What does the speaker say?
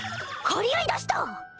張り合いだした！